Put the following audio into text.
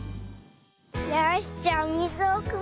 よしじゃあおみずをくむよ。